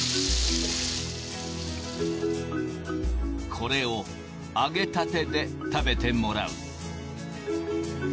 これを揚げたてで食べてもらう。